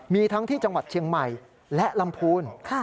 มีทั้งที่จังหวัดเชียงใหม่และลำพูน